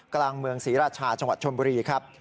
กลางเมืองศรีราชาจังหวัดชนบุรีครับ